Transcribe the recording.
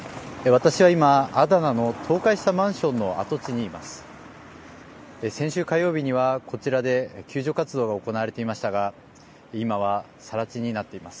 私は今アダナの倒壊したマンションの跡地にいます。